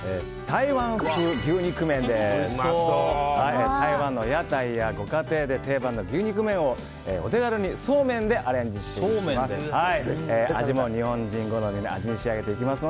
台湾の屋台やご家庭で定番の牛肉麺をお手軽にそうめんでアレンジしていきます。